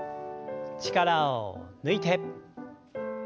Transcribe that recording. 力を抜いて。